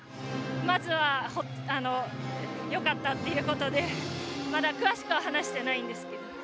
まずはよかったっていうことでまだ詳しくは話してないんですけど。